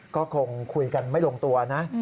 ก็คงคุยกันไม่ลงตัวนะ